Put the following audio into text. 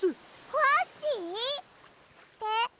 ファッシー！？って？